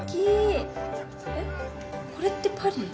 えっこれってパリ？